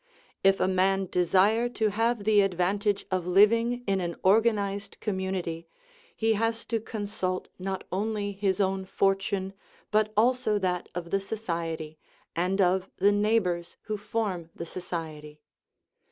If a man desire to have the advantage of living in an organized community, he has to consult not only his own fortune, but also that of the society, and of the " neighbors " who form the society.